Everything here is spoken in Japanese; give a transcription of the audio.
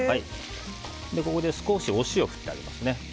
ここで少しお塩を振ってあげます。